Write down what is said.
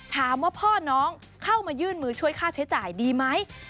ถามว่าพ่อน้องเข้ามายื่นมือช่วยค่าใช้จ่ายดีไหม